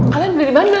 kalian beli di mana